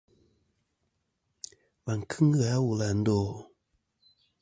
Và kɨŋ ghà a wul à ndo ?